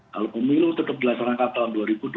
kalau pemilu tetap dilaksanakan tahun dua ribu dua puluh